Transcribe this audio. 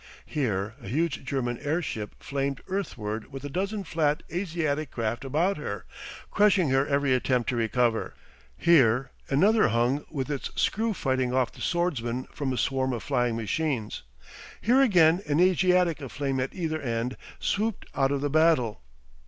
Here a huge German airship flamed earthward with a dozen flat Asiatic craft about her, crushing her every attempt to recover. Here another hung with its screw fighting off the swordsman from a swarm of flying machines. Here, again, an Asiatic aflame at either end swooped out of the battle.